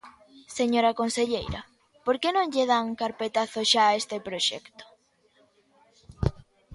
Señora conselleira, ¿por que non lle dan carpetazo xa a este proxecto?